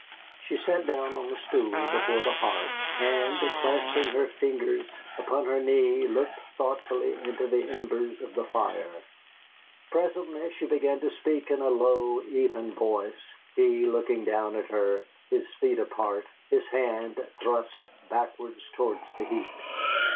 She sat down on a stool before the hearth, and clasping her fingers upon her knee looked thoughtfully into the embers of the fire. Presently she began to speak in a low, even voice, he looking down at her, his feet apart, his hand thrust backward towards the heat.